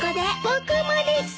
僕もです。